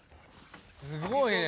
すごいね。